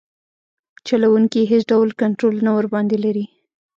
چلوونکي یې هیڅ ډول کنټرول نه ورباندې لري.